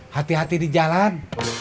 hati hati di jalan